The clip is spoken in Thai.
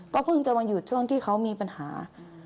เพิ่งจะมาหยุดช่วงที่เขามีปัญหา